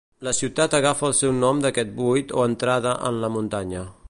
La ciutat agafa el seu nom d'aquest buit o entrada en la muntanya.